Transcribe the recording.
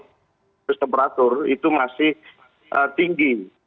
terus temperatur itu masih tinggi